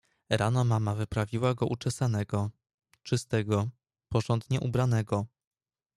Rano mama wyprawiła go uczesanego, czystego, porządnie ubranego.